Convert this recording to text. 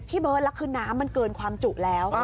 เบิร์ตแล้วคือน้ำมันเกินความจุแล้ว